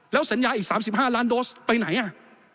แล้วสัญญาอีก๓๕ล้านโดสไปไหนอ่ะ